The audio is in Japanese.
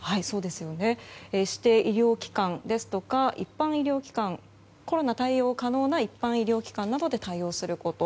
指定医療機関ですとか一般医療機関コロナ対応可能な一般医療機関で対応すること。